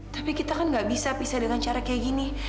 tapi kita kan gak bisa pisah dengan cara kayak gini